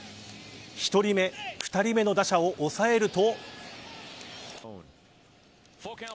１人目、２人目の打者を抑えると。